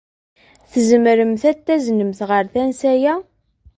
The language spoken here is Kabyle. Tzemremt ad t-taznemt ɣer tansa-a?